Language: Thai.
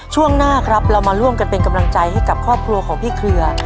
ช่วงหน้าครับเรามาร่วมกันเป็นกำลังใจให้กับครอบครัวของพี่เครือ